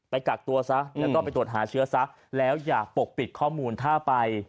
กักตัวซะแล้วก็ไปตรวจหาเชื้อซะแล้วอย่าปกปิดข้อมูลถ้าไป